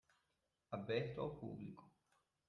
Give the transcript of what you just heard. Aberto ao público